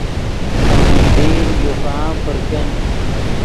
پے من دیر یو فارم پر کن